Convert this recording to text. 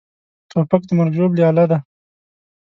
توپک د مرګ ژوبلې اله ده.